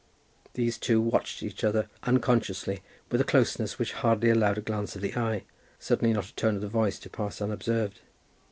These two watched each other unconsciously with a closeness which hardly allowed a glance of the eye, certainly not a tone of the voice, to pass unobserved.